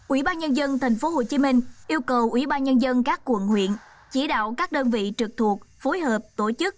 ủy ban nhân dân tp hcm yêu cầu ủy ban nhân dân các quận huyện chỉ đạo các đơn vị trực thuộc phối hợp tổ chức